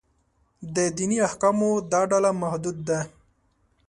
د دیني احکامو دا ډله محدود ده.